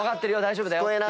大丈夫だよ」って。